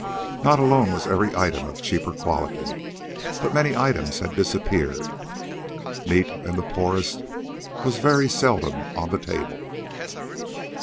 Not alone was every item of cheaper quality, but many items had disappeared. Meat, and the poorest, was very seldom on the table.